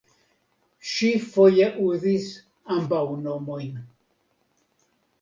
Ŝi foje uzis ambaŭ nomojn.